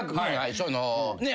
そうねえ。